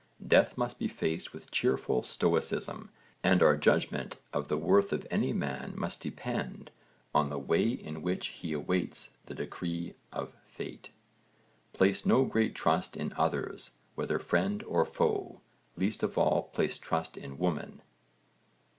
Death must be faced with cheerful stoicism and our judgment of the worth of any man must depend on the way in which he awaits the decree of fate. Place no great trust in others whether friend or foe, least of all place trust in women.